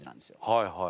はいはい。